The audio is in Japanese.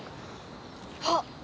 あっ！